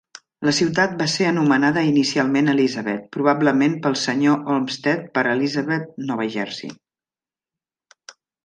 La ciutat va ser anomenada inicialment Elizabeth, probablement pel senyor Olmstead per Elizabeth, Nova Jersey.